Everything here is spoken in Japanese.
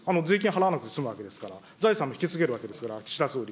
払わなくて済むわけですから、財産も引き継げるわけですから、岸田総理。